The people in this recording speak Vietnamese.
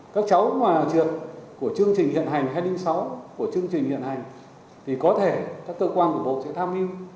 các cháu ngoài trường của chương trình hiện hành heading sáu của chương trình hiện hành thì có thể các cơ quan của bộ sẽ tham mưu